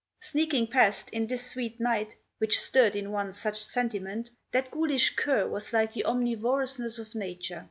Sneaking past, in this sweet night, which stirred in one such sentiment, that ghoulish cur was like the omnivorousness of Nature.